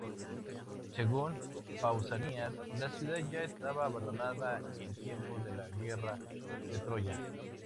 Según Pausanias, la ciudad ya estaba abandonada en tiempos de la guerra de Troya.